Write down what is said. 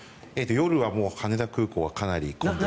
夜は羽田空港はかなり混んでいる。